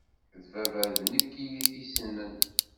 D baba d nekk i t-yessnen.